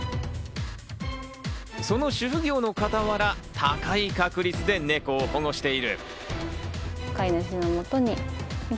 その主婦業の傍ら、高い確率でネコを保護している。